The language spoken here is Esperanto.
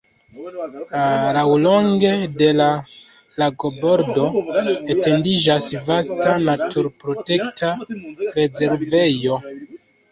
Laŭlonge de la lagobordo etendiĝas vasta naturprotekta rezervejo.